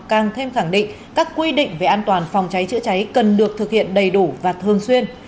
càng thêm khẳng định các quy định về an toàn phòng cháy chữa cháy cần được thực hiện đầy đủ và thường xuyên